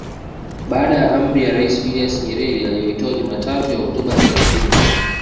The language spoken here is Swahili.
Baada ya amri ya Rais Julius Nyerere aliyoitoa Jumatatu ya Oktoba thelathini